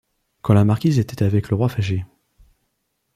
Quand la marquise était avec le roi fâchée